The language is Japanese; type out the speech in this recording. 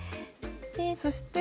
そして。